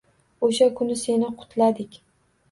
O’sha kuni seni qutladik.